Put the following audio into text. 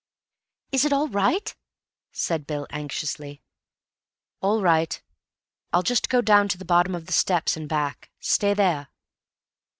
"Is it all right?" said Bill anxiously. "All right. I'll just go down to the bottom of the steps and back. Stay there."